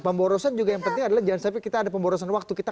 pemborosan juga yang penting adalah jangan sampai kita ada pemborosan waktu kita